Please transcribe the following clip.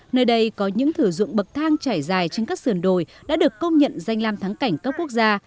nơi đây có những thử dụng bậc thang trải dài trên các sườn đồi đã được công nhận danh làm thắng cảnh các quốc gia